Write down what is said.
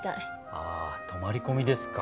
ああ泊まり込みですか。